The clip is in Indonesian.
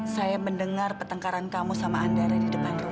saya mendengar pertengkaran kamu sama andara di depan rumah